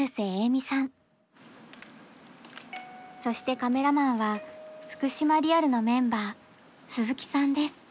そしてカメラマンは福島リアルのメンバー鈴木さんです。